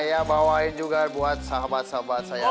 saya bawain juga buat sahabat sahabat saya